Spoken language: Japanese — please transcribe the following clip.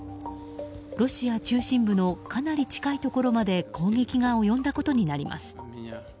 ロシア中心部のかなり近いところまで攻撃が及んだことになります。